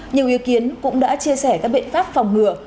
nhiều ý kiến cũng đã chia sẻ các biện pháp phòng ngừa